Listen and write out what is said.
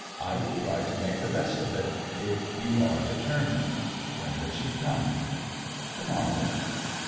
I will try to make the best of it if you are determined. When does she come?' 'To morrow.